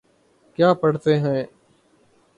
کیا پڑھتے ہیں